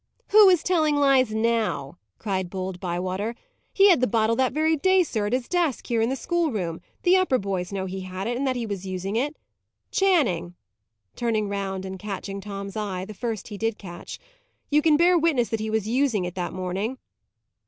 "Who is telling lies now?" cried bold Bywater. "He had the bottle that very day, sir, at his desk, here, in this schoolroom. The upper boys know he had it, and that he was using it. Channing" turning round and catching Tom's eye, the first he did catch "you can bear witness that he was using it that morning."